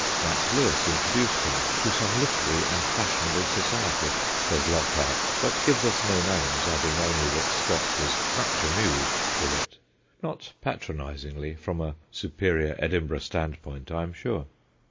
Mat Lewis introduced him ' to some literary and fashionable society,' says Lockhart, but gives us no names, adding only that Scott was ' much amused ' with it not patronisingly, from a superior Edin burgh standpoint, I am sure.